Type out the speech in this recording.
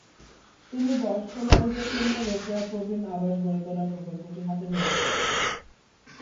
তিনি বয়স্ক নারীদের জন্য রোকেয়া প্রবীণ আবাস গড়ে তোলার প্রকল্পটি হাতে নিয়েছিলেন।